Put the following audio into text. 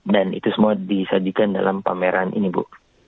dan itu semua disajikan dalam pameran ini bu